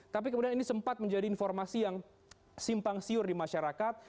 tapi kemudian ini sempat menjadi informasi yang simpang siur di masyarakat